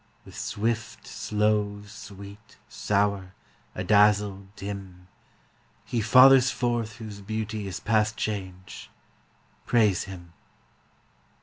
With swift, slow; sweet, sour; adazzle, dim; He fathers forth whose beauty is past change: Praise him.